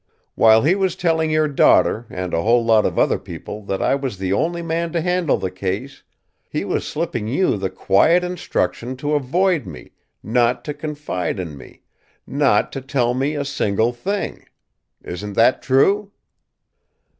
While he was telling your daughter and a whole lot of other people that I was the only man to handle the case, he was slipping you the quiet instruction to avoid me, not to confide in me, not to tell me a single thing. Isn't that true?"